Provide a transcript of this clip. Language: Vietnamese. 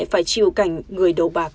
phải chiều cảnh người đầu bạc